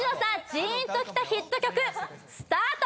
ジーンときたヒット曲スタート！